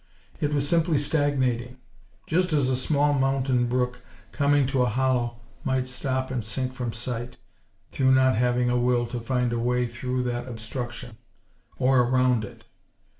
It was simply stagnating; just as a small mountain brook, coming to a hollow, might stop, and sink from sight, through not having a will to find a way through that obstruction; or around it.